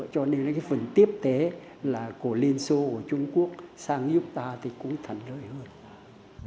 cho nên phần tiếp tế của liên xô của trung quốc sang giúp ta cũng thẳng lợi hơn